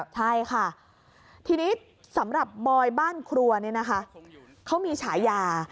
ใช่ค่ะทีนี้สำหรับบอยบ้านครัวเนี่ยนะคะเขามีฉายา